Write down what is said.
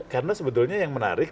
karena sebetulnya yang menarik